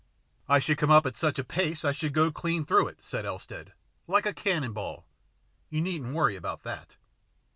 " I should come up at such a pace, I should go clean through it," said Elstead, " like a cannon ball. You needn't worry about that."